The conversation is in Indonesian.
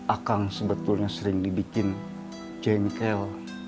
akang sebetulnya sering dibikin jengkel